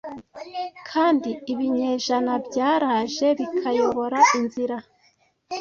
'Kandi ibinyejana byaraje bikayobora inzira,